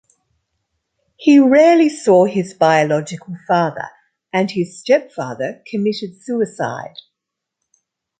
He rarely saw his biological father, and his stepfather committed suicide.